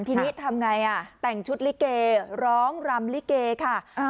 ทีนี้ทำไงอ่ะแต่งชุดลิเกร้องรำลิเกค่ะ